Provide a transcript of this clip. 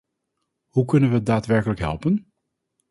Hoe kunnen we daadwerkelijk helpen?